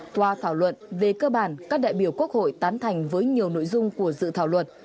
qua thảo luận về cơ bản các đại biểu quốc hội tán thành với nhiều nội dung của dự thảo luật